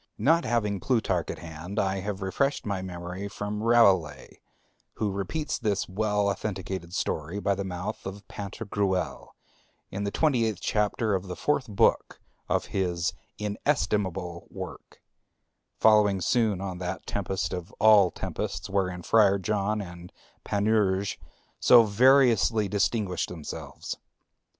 Not having Plutarch at hand, I have refreshed my memory from Rabelais, who repeats this well authenticated story by the mouth of Pantagruel, in the twenty eighth chapter of the fourth book of his inestimable work, following soon on that tempest of all tempests wherein Friar John and Panurge so variously distinguished themselves.